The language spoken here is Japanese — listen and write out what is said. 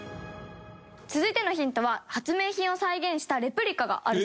続いてのヒントは発明品を再現したレプリカがあるそうです。